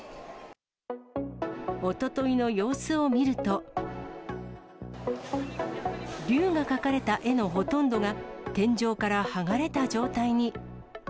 おとといの様子を見ると、龍が描かれた絵のほとんどが、天井から剥がれた状態に。